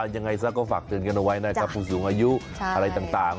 ยังไงซะก็ฝากเตือนกันเอาไว้นะครับผู้สูงอายุอะไรต่าง